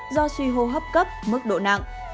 do suy hô hấp cấp mức độ nặng